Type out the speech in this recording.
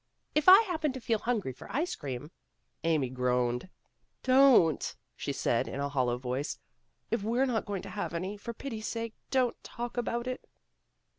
If I happen to feel hungry for ice cream.' " Amy groaned. "Don't!" she said in a hol low voice. "If we're not going to have any, for pity's sake don't talk about it."